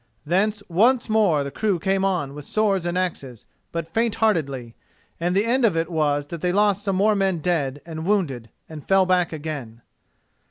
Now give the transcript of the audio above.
Thence once more the crew came on with swords and axes, but faint heartedly, and the end of it was that they lost some more men dead and wounded and fell back again.